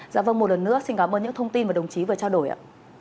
dạ vâng một lần nữa xin cảm ơn những thông tin mà đồng chí vừa trao đổi ạ